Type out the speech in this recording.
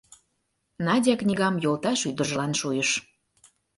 Надя книгам йолташ ӱдыржылан шуйыш.